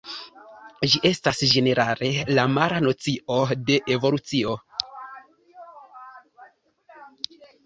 Ĝi estas ĝenerale la mala nocio de «Evolucio».